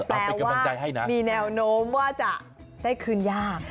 แปลว่ามีแนวโน้มว่าจะได้คืนยาก